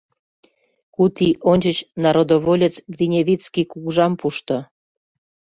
Куд ий ончыч народоволец Гриневицкий кугыжам пушто.